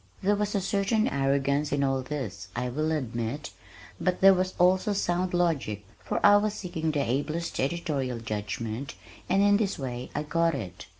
There was a certain arrogance in all this, I will admit, but there was also sound logic, for I was seeking the ablest editorial judgment and in this way I got it.